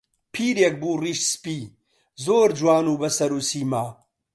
پیرێک بوو ڕیش سپی، زۆر جوان و بە سەر و سیما